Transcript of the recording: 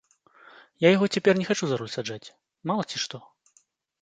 Я яго цяпер не хачу за руль саджаць, мала ці што.